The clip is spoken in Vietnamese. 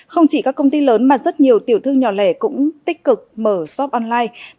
không chỉ các công ty lớn mà rất nhiều tiểu thương nhỏ lẻ cũng tích cực mở shop online